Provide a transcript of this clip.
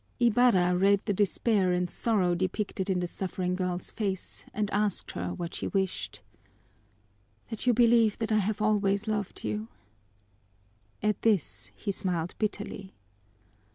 Ibarra read the despair and sorrow depicted in the suffering girl's face and asked her what she wished. "That you believe that I have always loved you!" At this he smiled bitterly.